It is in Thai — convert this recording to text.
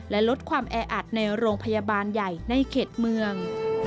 และลดความแออัดในโรงพยาบาลใหญ่ในเขตเมือง